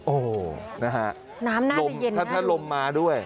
โอ้น้ำน่าจะเย็นน่ะถ้าลมมาด้วย